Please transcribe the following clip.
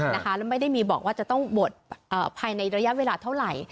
แล้วไม่ได้มีบอกว่าจะต้องบวชภายในระยะเวลาเท่าไหร่